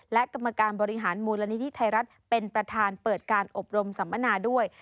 และกรรมการบริหารมูลนิธิไทยรัฐเป็นประธานเปิดการอบรมสัมมนาด้วย